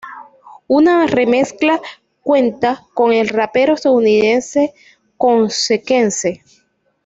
Una remezcla cuenta con el rapero estadounidense Consequence.